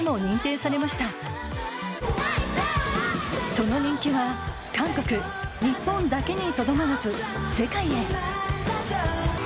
その人気は韓国日本だけにとどまらず世界へ。